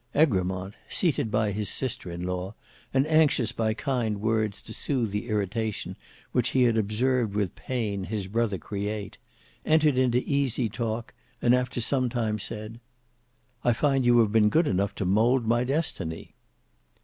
Egremont seated by his sister in law, and anxious by kind words to soothe the irritation which he had observed with pain his brother create, entered into easy talk, and after some time, said, "I find you have been good enough to mould my destiny."